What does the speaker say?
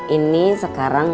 kondisi saya masih seperti ini